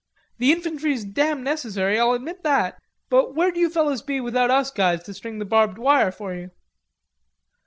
"The infantry's damn necessary, I'll admit that; but where'd you fellers be without us guys to string the barbed wire for you?"